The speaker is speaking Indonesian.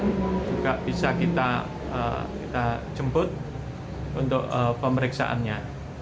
juga bisa kita jemput untuk pemeriksaannya